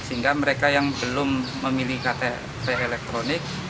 sehingga mereka yang belum memilih ktp elektronik